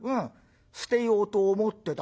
捨てようと思ってた？